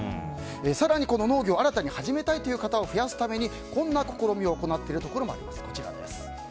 更に農業を新たに始めたいという方を増やすためにこんな試みを行っているところがあります。